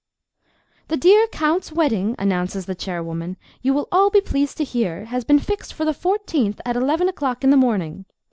"The dear Count's wedding," announces the chairwoman, "you will all be pleased to hear, has been fixed for the fourteenth, at eleven o'clock in the morning.